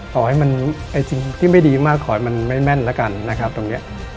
ขอให้มันสิ่งที่ไม่ดีมากขอให้มันไม่แม่นแล้วกันนะครับตรงนี้